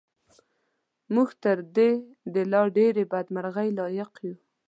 موږ تر دې د لا ډېرې بدمرغۍ لایق یو.